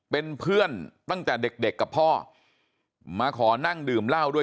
เป็นเพื่อนตั้งแต่เด็กเด็กกับพ่อมาขอนั่งดื่มเหล้าด้วย